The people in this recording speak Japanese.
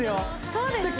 そうですね